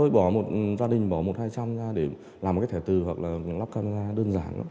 bỏ một gia đình bỏ một hai trăm linh ra để làm một cái thẻ từ hoặc là lắp camera đơn giản